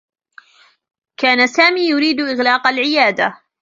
كان سامي يريد إغلاق العيادة.